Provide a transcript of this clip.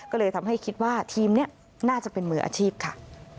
ก็เลยทำให้คิดว่าทีมนี้น่าจะเป็นมืออาชีพค่ะ